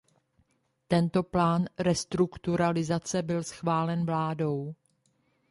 Tento plán restrukturalizace byl schválen vládou.